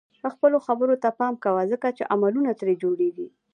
خپلو خبرو ته پام کوه ځکه چې عملونه ترې جوړيږي.